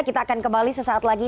kita akan kembali sesaat lagi